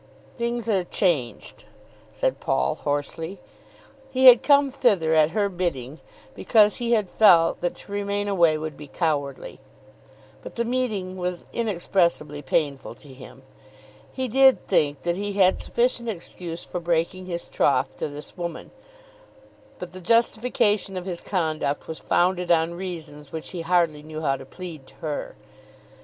"Things are changed," said Paul hoarsely. He had come thither at her bidding because he had felt that to remain away would be cowardly, but the meeting was inexpressibly painful to him. He did think that he had sufficient excuse for breaking his troth to this woman, but the justification of his conduct was founded on reasons which he hardly knew how to plead to her.